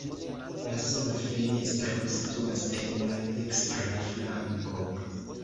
La sola fenestro situas en la dekstra flanko.